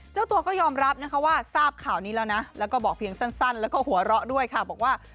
เจ้าตัวก็ยอมรับนะคะว่าทราบข่าวนี้แล้วนะแล้วก็บอกเพียงสั้นแล้วก็หัวเราะด้วยค่ะบอกว่า